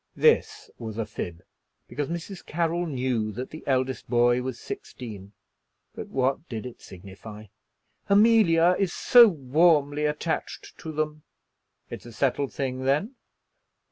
This was a fib, because Mrs. Carroll knew that the eldest boy was sixteen; but what did it signify? "Amelia is so warmly attached to them." "It is a settled thing, then?"